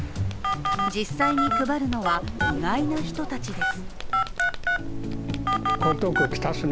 実際に配るのは意外な人たちです。